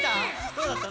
どうだった？